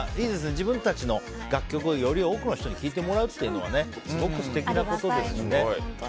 自分たちの楽曲をより多くの人に聴いてもらうって素敵なことですよね。